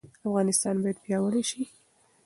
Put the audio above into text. افغانستان باید پیاوړی شي.